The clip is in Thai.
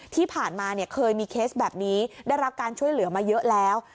ที่ผ่านมาเคยมีเคสแบบนี้ได้รับการช่วยเหลือมาเยอะแล้ว